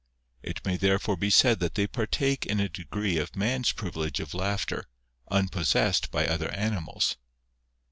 It may therefore be said that they partake in a degree of man's privilege of laughter, unpossessed by other animals.